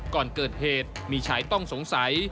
ก่อนเกิดเหตุมีชายต้องสงสัย